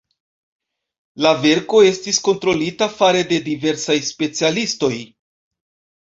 La verko estis kontrolita fare de diversaj specialistoj.